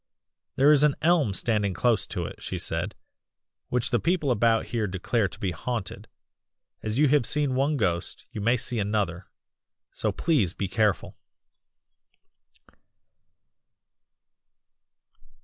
'There is an elm standing close to it,' she said, 'which the people about here declare to be haunted; as you have seen one ghost you may see another so please be careful!